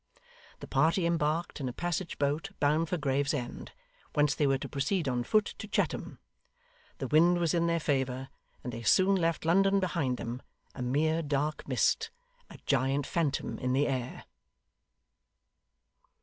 The party embarked in a passage boat bound for Gravesend, whence they were to proceed on foot to Chatham; the wind was in their favour, and they soon left London behind them, a mere dark mist a giant phantom in the air.